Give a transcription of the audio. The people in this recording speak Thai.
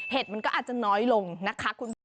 เห็ดมันก็อาจจะน้อยลงนะคะ